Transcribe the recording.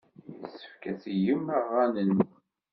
Yessefk ad tgem aɣan-nwen.